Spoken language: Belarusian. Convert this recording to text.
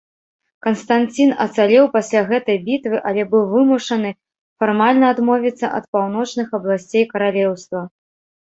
Канстанцін ацалеў пасля гэтай бітвы, але быў вымушаны фармальна адмовіцца ад паўночных абласцей каралеўства.